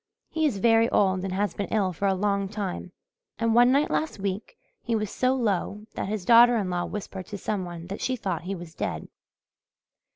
He is very old and has been ill for a long time, and one night last week he was so low that his daughter in law whispered to some one that she thought he was dead.